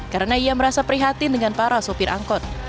karena ia merasa prihatin dengan para sopir angkot